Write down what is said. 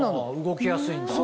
動きやすいんだ。